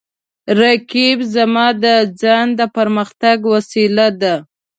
رقیب زما د ځان د پرمختګ وسیله ده